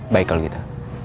baik kalau gitu